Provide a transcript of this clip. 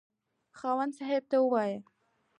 خاوند صاحب ته وايي.